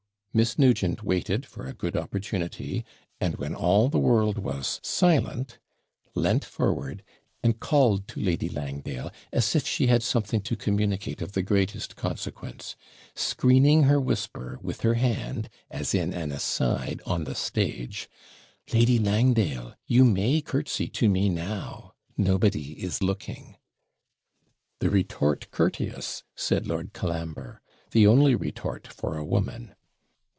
Miss Nugent waited for a good opportunity; and, when all the world was silent, leant forward, and called to Lady Langdale, as if she had something to communicate of the greatest consequence, skreening her whisper with her hand, as in an aside on the stage, 'Lady Langdale, you may curtsy to me now nobody is looking.' 'The retort courteous!' said Lord Colambre 'the only retort for a woman.'